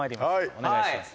お願いします。